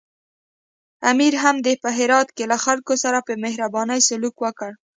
امیر هم په هرات کې له خلکو سره په مهربانۍ سلوک وکړ.